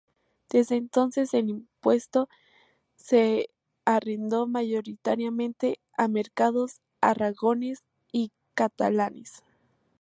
Desde entonces el impuesto se arrendó, mayoritariamente a mercaderes aragoneses y catalanes.